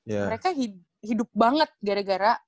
mereka hidup banget gara gara